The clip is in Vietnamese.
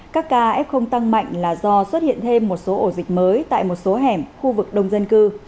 các ca f tăng mạnh là do xuất hiện thêm một số ổ dịch mới tại một số hẻm khu vực đông dân cư